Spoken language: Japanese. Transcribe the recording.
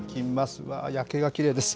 うわー、夜景がきれいです。